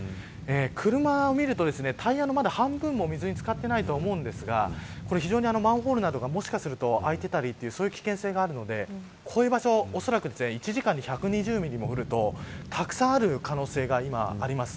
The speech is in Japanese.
車を見ると、タイヤがまだ半分も水に浸かってないとは思うんですが非常に、マンホールなどがもしかすると開いてたりするとそういう危険性があるのでこういう場所はおそらく１時間に１２０ミリ降るとたくさんある可能性があります。